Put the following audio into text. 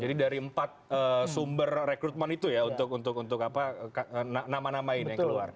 jadi dari empat sumber rekrutmen itu ya untuk nama namanya yang keluar